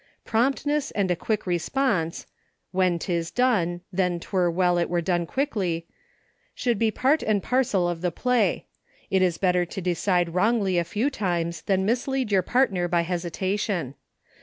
Promptness and a quick re sponse — "when 'tis done, then 'twere well it were done quickly" — should be part and par cel of the play ; it is better to decide wrongly a few times than mislead your partner by hesitation.